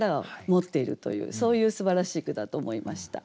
そういうすばらしい句だと思いました。